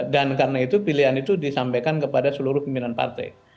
dan karena itu pilihan itu disampaikan kepada seluruh pimpinan partai